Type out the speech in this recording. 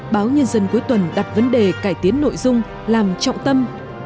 báo nhân dân cuối tuần đặt vấn đề cải tiến nội dung làm trọng tâm